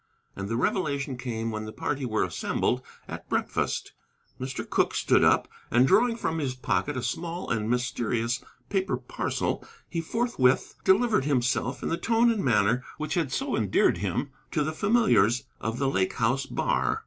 And the revelation came when the party were assembled at breakfast. Mr. Cooke stood up, and drawing from his pocket a small and mysterious paper parcel he forthwith delivered himself in the tone and manner which had so endeared him to the familiars of the Lake House bar.